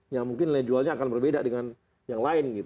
yang mungkin nilai jualnya akan berbeda dengan yang lain